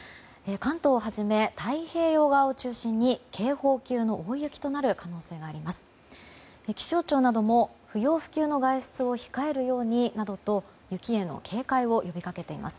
関東をはじめ太平洋側を中心に警報級の大雪となる可能性があります。